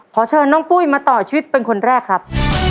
ขอเชิญน้องปุ้ยมาต่อชีวิตเป็นคนแรกครับ